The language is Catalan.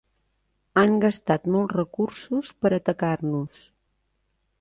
Han gastat molts recursos per atacar-nos.